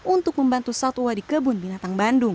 untuk membantu satwa di kebun binatang bandung